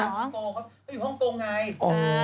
เขาอยู่ฮ่องกงไง